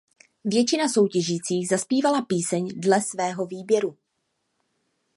Většina soutěžících zazpívala píseň dle svého výběru.